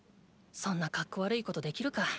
そんなカッコ悪いことできるか。